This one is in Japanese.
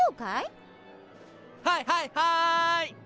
はいはいはい！